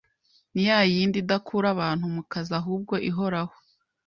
ni ya yindi idakura abantu mu kazi ahubwo ihoraho